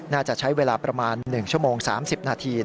น่าจะใช้เวลาประมาณหนึ่งชั่วโมงสามสิบนาที